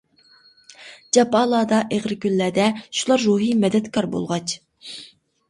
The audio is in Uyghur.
جاپالاردا ئېغىر كۈنلەردە، شۇلار روھى مەدەتكار بولغاچ.